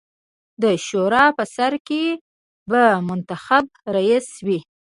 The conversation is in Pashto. د شورا په سر کې به منتخب رییس وي.